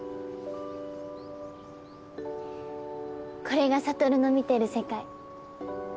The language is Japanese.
これが悟の見てる世界。